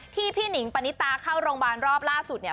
ที่นิ้งปะนิตาเข้าโรงบาลรอบล่าสุดนะ